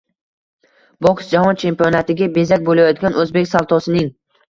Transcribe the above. Boks: Jahon chempionatiga bezak bo‘layotgan “O‘zbek saltosi”ng